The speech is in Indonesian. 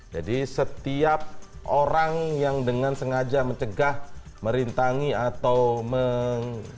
jadi setiap orang yang dengan sengaja mencegah merintangi atau meng